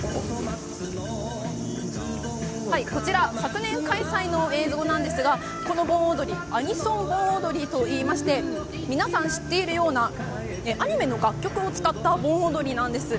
こちら、昨年開催の映像なんですがこの盆踊りアニソン盆踊りといいまして皆さん知っているようなアニメの楽曲を使った盆踊りなんです。